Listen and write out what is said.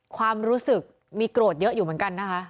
ความรู้สึกมีโกรธเยอะอยู่เหมือนกันนะคะ